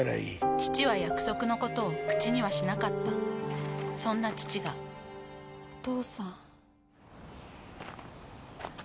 父は約束のことを口にはしなかったそんな父がお父さん。